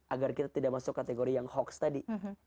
agar kita tidak masuk kategori yang hoax tadi